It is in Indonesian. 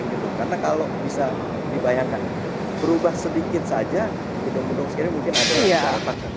karena kalau bisa dibayangkan berubah sedikit saja hidung hidung sekiranya mungkin ada yang retak